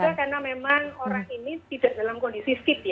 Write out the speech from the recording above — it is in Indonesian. dan juga karena memang orang ini tidak dalam kondisi fit ya